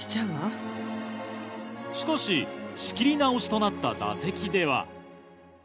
しかし仕切り直しとなった打席では。